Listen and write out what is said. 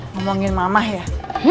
ngomongin mamah ya